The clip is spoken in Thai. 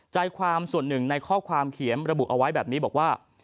ใจความส่วนหนึ่งในข้อความเขียนระบุเอาไว้แบบนี้บอกว่า